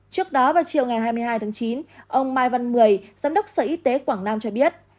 trước đó vào chiều ngày hai mươi hai tháng chín ông mai văn mười giám đốc sở y tế quảng nam cho biết